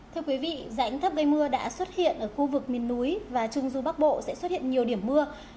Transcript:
thưa quý vị dạnh thấp gây mưa đã xuất hiện ở khu vực miền núi và trung du bắc bộ sẽ xuất hiện nhiều điểm mưa